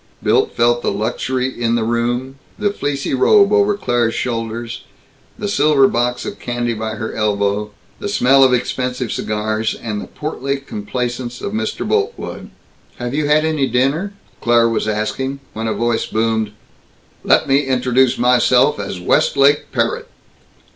Milt felt the luxury in the room the fleecy robe over Claire's shoulders, the silver box of candy by her elbow, the smell of expensive cigars, and the portly complacence of Mr. Boltwood. "Have you had any dinner?" Claire was asking, when a voice boomed, "Let me introduce myself as Westlake Parrott."